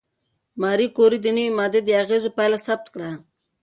ماري کوري د نوې ماده د اغېزو پایله ثبت کړه.